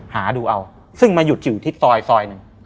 หาดูเอาซึ่งมาหยุดอยู่ที่ซอยซอยหนึ่ง